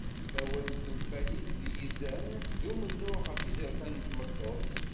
Awal d tenfalit d yizen d umennuɣ ɣef yizerfan n tmeṭṭut.